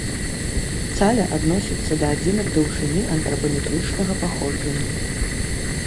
Цаля адносіцца да адзінак даўжыні антрапаметрычнага паходжання.